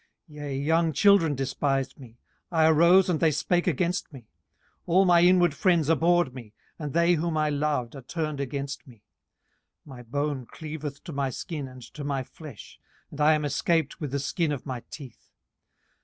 18:019:018 Yea, young children despised me; I arose, and they spake against me. 18:019:019 All my inward friends abhorred me: and they whom I loved are turned against me. 18:019:020 My bone cleaveth to my skin and to my flesh, and I am escaped with the skin of my teeth.